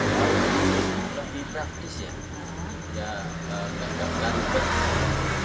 ya tidak bergantung